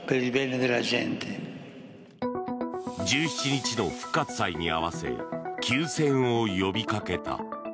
１７日の復活祭に合わせ休戦を呼びかけた。